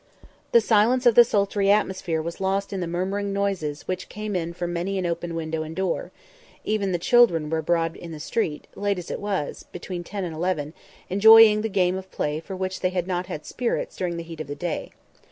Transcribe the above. The silence of the sultry atmosphere was lost in the murmuring noises which came in from many an open window and door; even the children were abroad in the street, late as it was (between ten and eleven), enjoying the game of play for which they had not had spirits during the heat of the day.